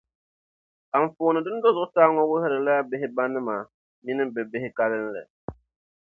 Anfooni din do zuɣusaa ŋɔ wuhiri la bihibanim mini bɛ bihi kalinli.